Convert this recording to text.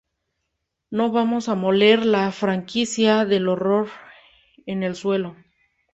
No vamos a moler esta franquicia de horror en el suelo.